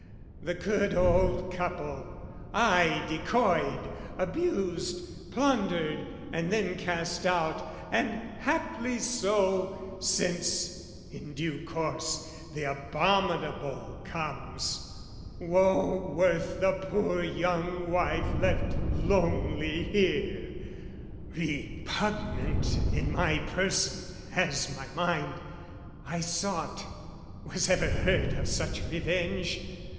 The good old couple, I decoyed, abused, Plundered and then cast out, and happily so, Since, in due course the abominable comes, Woe worth the poor young wife left lonely here! Repugnant in my person as my mind, I sought, was ever heard of such revenge?